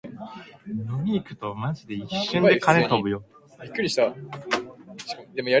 稚内